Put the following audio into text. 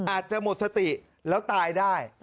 อาจจะหมดสติแล้วตายได้